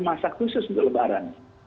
masak khusus untuk lebaran